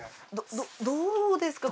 どうですか？